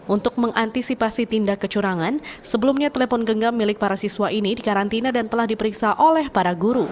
untuk mengantisipasi tindak kecurangan sebelumnya telepon genggam milik para siswa ini dikarantina dan telah diperiksa oleh para guru